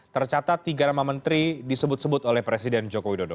tercatat tiga nama menteri disebut sebut oleh presiden joko widodo